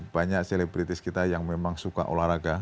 banyak selebritis kita yang memang suka olahraga